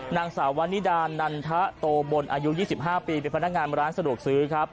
นางสาวนี่ด่านอายุ๒๕ปีเป็นพนักงานมาร้านสะดวกซื้อครับ